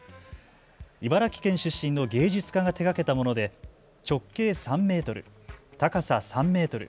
茨城県出身の芸術家が手がけたもので直径３メートル、高さ３メートル。